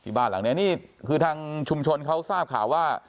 ที่บ้านหลังนี่คือทางชุมชนเขาทราบค่ะว่า